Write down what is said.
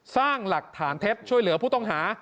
สร้างหลักฐานเท็จช่วยเหลือผู้ต้องหา